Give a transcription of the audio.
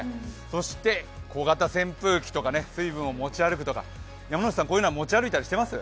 そして小型扇風機とか水分を持ち歩くとか、山内さん、こういうのは持ち歩いたりしてます？